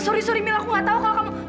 sorry sorry mil aku gak tahu kalau kamu